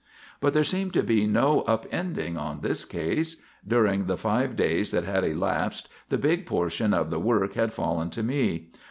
But there seemed to be no "upending" on this case. During the five days that had elapsed the big portion of the work had fallen to me.